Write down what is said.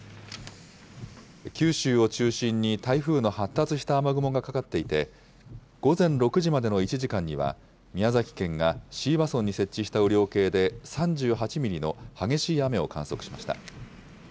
九州を中心に台風の発達した雨雲がかかっていて、午前６時までの１時間には、宮崎県が椎葉村に設置した雨量計で３８ミリの激しい雨を観測しました。